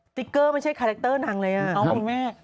สติกเกอร์ไม่ใช่คาแรกเตอร์นางเลยวะ